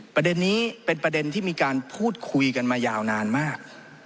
ประเด็นนี้เป็นประเด็นที่มีการพูดคุยกันมายาวนานมาก